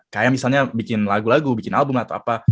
kayak misalnya bikin lagu lagu bikin album atau apa